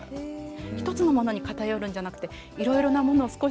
１つのものに偏るんじゃなくていろいろなものを少しずつ。